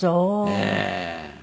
ええ。